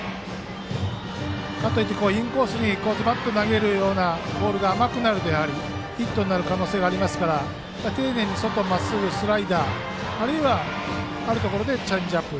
かといってインコースに投げるようなボールが甘くなるとヒットになる可能性があるので丁寧に外のまっすぐやスライダーあるいはあるところでチェンジアップ。